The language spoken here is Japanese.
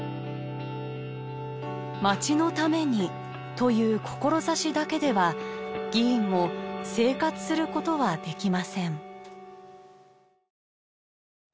「町のために」という志だけでは議員も生活することはできません。